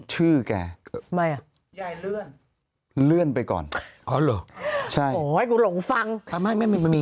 ชื่อแกอะไระ